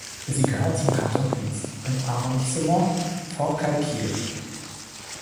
Sie gehört zum Kanton Riez im Arrondissement Forcalquier.